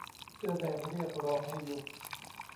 เสื้อแดงเรียกร้องให้ยุบ